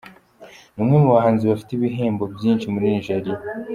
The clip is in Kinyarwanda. Ni umwe mu bahanzi bafite ibihembo byinshi muri Nigeria.